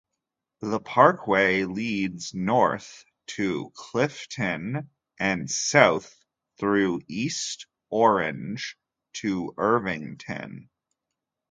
The parkway leads north to Clifton and south through East Orange to Irvington.